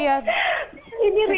ini rebut sudah mulai panik